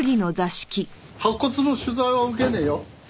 白骨の取材は受けねえよ。